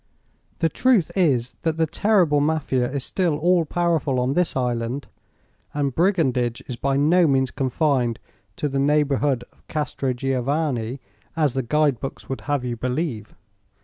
The truth is that the terrible Mafia is still all powerful on this island, and brigandage is by no means confined to the neighborhood of Castrogiovanni, as the guide books would have you believe.